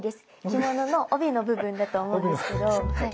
着物の帯の部分だと思うんですけど。